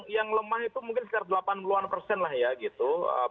yang lemah itu mungkin sekitar delapan puluh an persen lah ya gitu